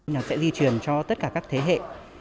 nó sẽ di truyền cho tất cả các thế hệ